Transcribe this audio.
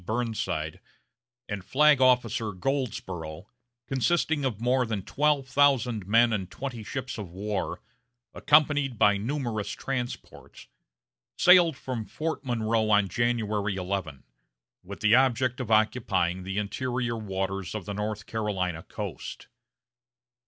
Burnside and Flag Officer Goldsborough, consisting of more than twelve thousand men and twenty ships of war, accompanied by numerous transports, sailed from Fort Monroe on January 11, with the object of occupying the interior waters of the North Carolina coast.